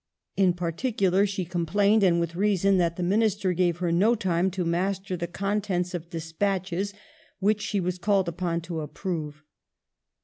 In particular she complained, and with reason, that the Minister gave her no time to master the contents of Despatches which she was called upon to approve.